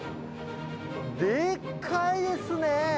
でっかいですね。